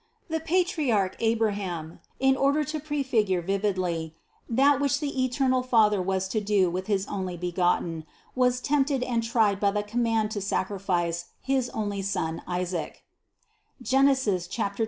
The patriarch Abraham, in order to prefigure vividly, that which the eternal Father was to do with his Onlybegotten, was tempted and tried by the command to sacrifice his only son Isaac (Gen. 22, 1).